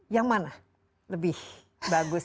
yang mana lebih bagus